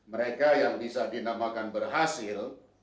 mereka yang bisa dinamakan berhasil